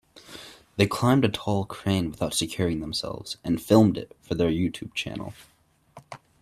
They climbed a tall crane without securing themselves and filmed it for their YouTube channel.